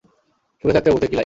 সুখে থাকতে ভূতে কিলাই।